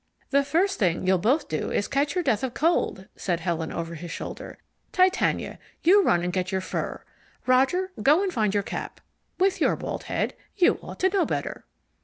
"The first thing you'll both do is catch your death of cold," said Helen over his shoulder. "Titania, you run and get your fur. Roger, go and find your cap. With your bald head, you ought to know better!"